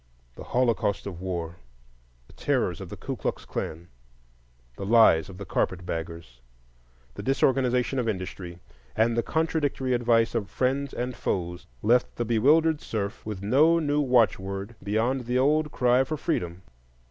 The holocaust of war, the terrors of the Ku Klux Klan, the lies of carpet baggers, the disorganization of industry, and the contradictory advice of friends and foes, left the bewildered serf with no new watchword beyond the old cry for freedom.